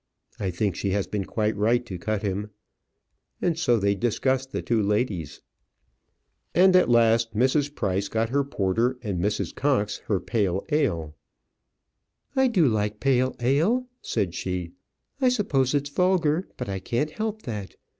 I think she has been quite right to cut him." And so they discussed the two ladies. And at last Mrs. Price got her porter, and Mrs. Cox got her pale ale. "I do like pale ale," said she; "I suppose it's vulgar, but I can't help that.